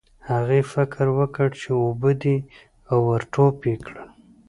هغې فکر وکړ چې اوبه دي او ور ټوپ یې کړل.